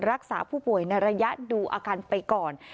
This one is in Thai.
รักษาผู้ป่วยในระยะดูอาการไปก่อน